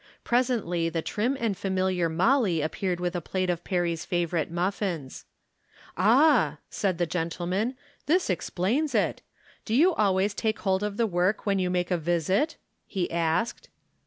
Presently the trim and familiar Molly appeared with a plate of Perry's favorite muffins. " Ah !" said thp gentleman, " this explains it. Do you always take hold of the work when you make a visit ?" he asked.